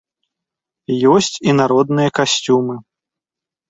Ёсць і народныя касцюмы.